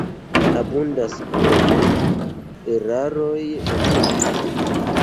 Abundas krome eraroj en ili.